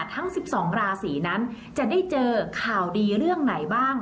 ทั้ง๑๒ราศีนั้นจะได้เจอข่าวดีเรื่องไหนบ้าง